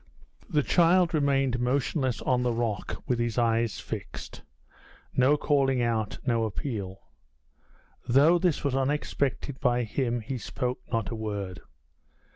The child remained motionless on the rock, with his eyes fixed no calling out, no appeal. Though this was unexpected by him, he spoke not a word.